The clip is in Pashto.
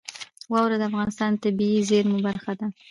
واوره د افغانستان د طبیعي زیرمو برخه ده.